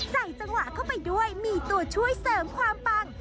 ใส่จังหวะเข้าไปด้วยมีตัวช่วยเสริมความปัง